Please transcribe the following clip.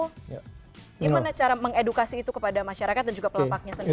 gimana cara mengedukasi itu kepada masyarakat dan juga pelapaknya sendiri